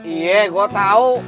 iya gue tahu